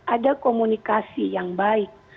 ada komunikasi yang baik